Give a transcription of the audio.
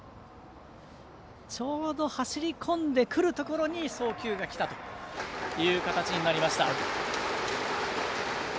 ちょうど走り込んでくるところに送球がきたという形になりました。